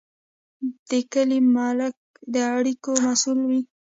د کلي ملک د اړیکو مسوول وي.